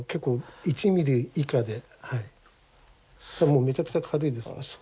もうめちゃくちゃ軽いです。